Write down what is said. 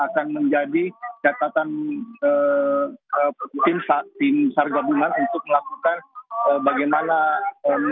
salah satu warga di kecamatan